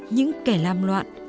những kẻ lam loạn